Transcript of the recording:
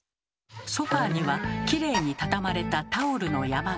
ソファーにはきれいに畳まれたタオルの山が。